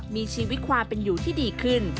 มีชีวิตความเป็นอยู่ที่ดีขึ้น